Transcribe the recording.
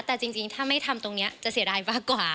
แต่จริงถ้าไม่ทำตรงนี้จะเสียดายมากกว่า